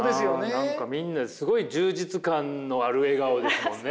何かみんなすごい充実感のある笑顔ですもんね。